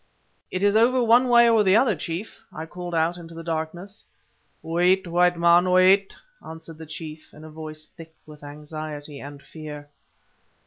"It is over one way or the other, chief," I called out into the darkness. "Wait, white man, wait!" answered the chief, in a voice thick with anxiety and fear.